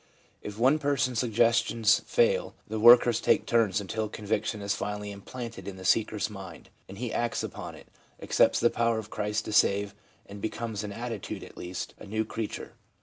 If one person's suggestions fail, the 'workers' take turns until conviction is finally implanted in the seeker's mind, and he acts upon it, accepts the power of Christ to save, and becomes, in attitude at least, a new creature.